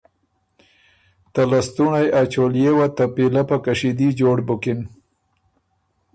ته لستُوںړئ ا چولئے وه ته پیلۀ په کشیدي جوړ بُکِن۔